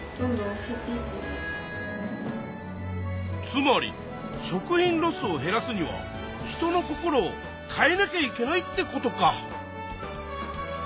つまり食品ロスを減らすには人の心を変えなきゃいけないってことか。